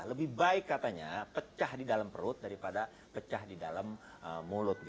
lebih baik katanya pecah di dalam perut daripada pecah di dalam mulut